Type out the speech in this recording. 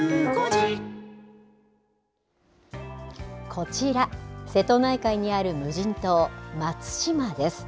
こちら、瀬戸内海にある無人島松島です。